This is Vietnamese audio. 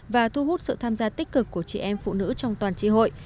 và thu hút sự tham gia tích cực của chị em phụ nữ trong toàn trị hội